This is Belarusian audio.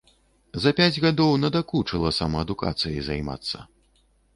За пяць гадоў надакучыла самаадукацыяй займацца.